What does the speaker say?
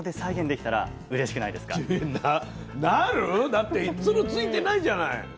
だってつる付いてないじゃない。